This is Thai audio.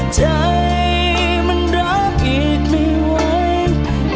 ใจมันรักอีกไม่ไหว